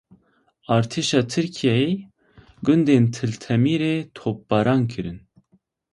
Artêşa Tirkiyeyê gundên Til Temirê topbaran kirin.